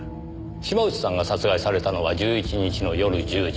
島内さんが殺害されたのは１１日の夜１０時。